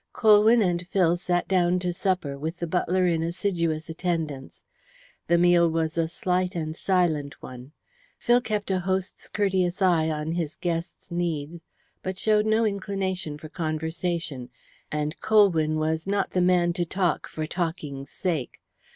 Colwyn and Phil sat down to supper, with the butler in assiduous attendance. The meal was a slight and silent one. Phil kept a host's courteous eye on his guest's needs, but showed no inclination for conversation, and Colwyn was not the man to talk for talking's sake.